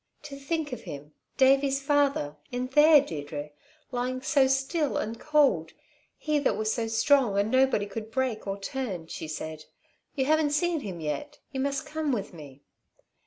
"To think of him Davey's father in there, Deirdre lying so still and cold, he that was so strong and nobody could break, or turn," she said. "You haven't seen him yet. You must come with me."